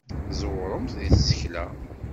Tẓewremt deg tsekla.